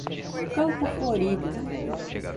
Campo Florido